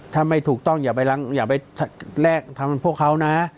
ถ้าไม่ถูกต้องอย่าไปแลกทำพวกเขานะ